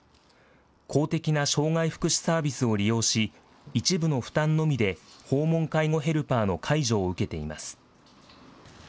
公的な障害福祉サービスを利用し、一部の負担のみで訪問介護ヘルパーの介助を受けています。